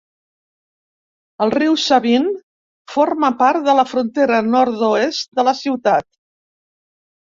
El riu Sabine forma part de la frontera nord-oest de la ciutat.